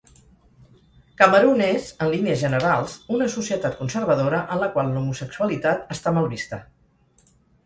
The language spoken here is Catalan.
Camerun és, en línies generals, una societat conservadora en la qual l'homosexualitat està mal vista.